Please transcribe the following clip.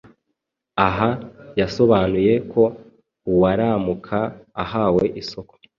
Aha yasobanuye ko uwaramuka ahawe isoko